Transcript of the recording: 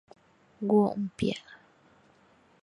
Nguo mpya.